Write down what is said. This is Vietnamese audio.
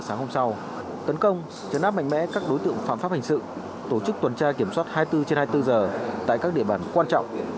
sáng hôm sau tấn công trấn áp mạnh mẽ các đối tượng phạm pháp hình sự tổ chức tuần tra kiểm soát hai mươi bốn trên hai mươi bốn giờ tại các địa bàn quan trọng